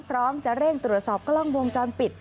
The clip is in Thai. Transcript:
พร้อมจะเร่งตรวจสอบกล้องวงจรปิด